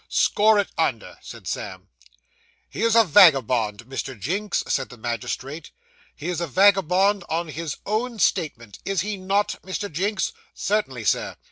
'Score it under,' said Sam. 'He is a vagabond, Mr. Jinks,' said the magistrate. 'He is a vagabond on his own statement, is he not, Mr. Jinks?' 'Certainly, Sir.